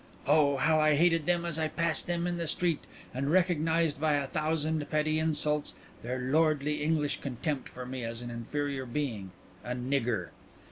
"Oh! how I hated them as I passed them in the street and recognized by a thousand petty insults their lordly English contempt for me as an inferior being a nigger.